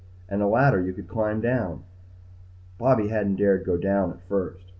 And a ladder you could climb down. Bobby hadn't dared go down at first.